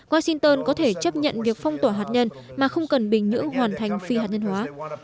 washington có thể chấp nhận việc phong tỏa hạt nhân mà không cần bình nhưỡng hoàn thành phi hạt nhân hóa